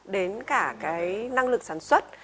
đến cả cái năng lực sản xuất